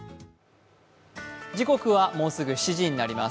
時刻はもうすぐ７時になります。